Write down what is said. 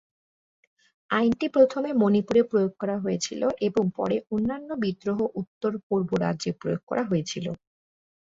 আইনটি প্রথমে মণিপুরে প্রয়োগ করা হয়েছিল এবং পরে অন্যান্য বিদ্রোহ-উত্তর-পূর্ব রাজ্যে প্রয়োগ করা হয়েছিল।